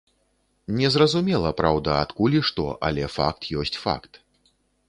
Не зразумела, праўда, адкуль і што, але факт ёсць факт.